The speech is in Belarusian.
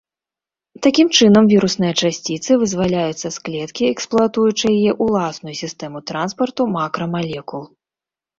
Такім чынам вірусныя часціцы вызваляюцца з клеткі, эксплуатуючы яе ўласную сістэму транспарту макрамалекул.